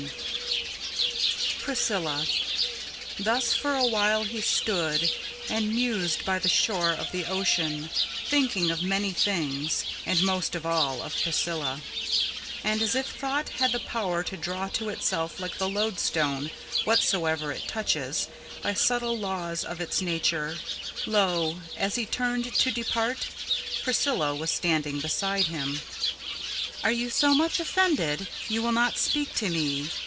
VI PRISCILLA Thus for a while he stood, and mused by the shore of the ocean, Thinking of many things, and most of all of Priscilla; And as if thought had the power to draw to itself, like the loadstone, Whatsoever it touches, by subtile laws of its nature, Lo! as he turned to depart, Priscilla was standing beside him. "Are you so much offended, you will not speak to me?"